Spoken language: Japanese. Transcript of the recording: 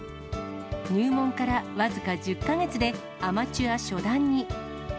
入門から僅か１０か月で、アマチュア初段に。